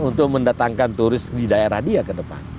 untuk mendatangkan turis di daerah dia ke depan